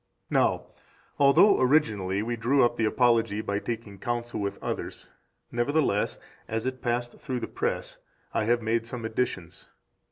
10 Now, although originally we drew up the Apology by taking counsel with others, nevertheless, as it passed through the press, I have made some additions.